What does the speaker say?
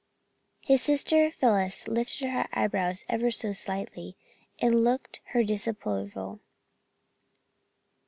His sister Phyllis lifted her eyebrows ever so slightly and looked her disapproval.